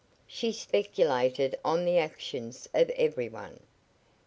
She speculated on the actions of every one.